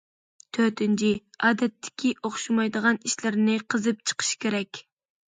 تۆتىنچى، ئادەتتىكىگە ئوخشىمايدىغان ئىشلىرىنى قېزىپ چىقىش كېرەك.